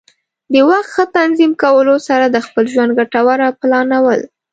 د وخت ښه تنظیم کولو سره د خپل ژوند ګټوره پلانول.